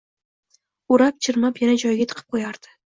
o’rab-chirmab yana joyiga tiqib qo’yardi.